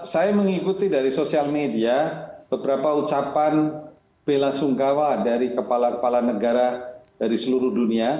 saya mengikuti dari sosial media beberapa ucapan bela sungkawa dari kepala kepala negara dari seluruh dunia